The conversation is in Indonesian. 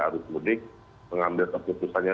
harus mudik pengambil keputusannya